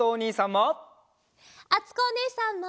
あつこおねえさんも！